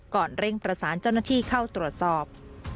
เร่งประสานเจ้าหน้าที่เข้าตรวจสอบ